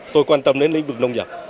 tôi quan tâm đến lĩnh vực nông dập